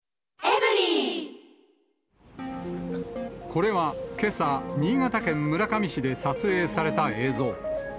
これはけさ、新潟県村上市で撮影された映像。